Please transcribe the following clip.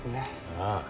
ああ。